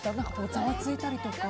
ざわついたりとか。